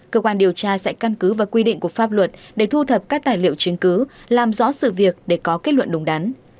cơ quan điều tra sẽ căn cứ và quy định của pháp luật để thu thập các tài liệu chứng cứ làm rõ sự việc để có kết luận